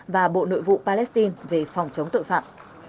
và bộ nội vụ palestine về phòng chống tội phạm